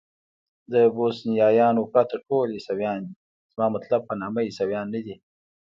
د بوسنیایانو پرته ټول عیسویان دي، زما مطلب په نامه عیسویان نه دي.